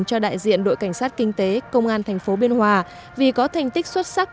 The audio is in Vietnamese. cho đại diện đội cảnh sát kinh tế công an tp biên hòa vì có thành tích xuất sắc